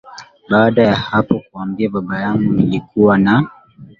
baada ya hapo kuambia baba yangu nilikuwa na